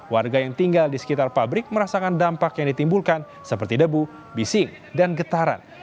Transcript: warga yang tinggal di sekitar pabrik merasakan dampak yang ditimbulkan seperti debu bising dan getaran